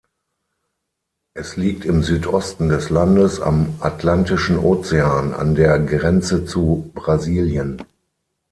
Es liegt im Südosten des Landes am Atlantischen Ozean, an der Grenze zu Brasilien.